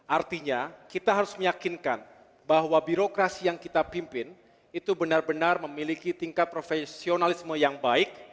artinya kita harus meyakinkan bahwa birokrasi yang kita pimpin itu benar benar memiliki tingkat profesionalisme yang baik